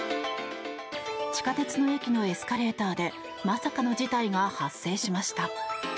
地下鉄の駅のエスカレーターでまさかの事態が発生しました。